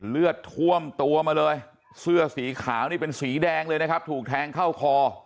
เลือดท่วมตัวมาเลยเสื้อสีขาวนี่เป็นสีแดงเลยนะครับถูกแทงเข้าคอ